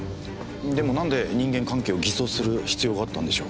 でもなんで人間関係を偽装する必要があったんでしょう。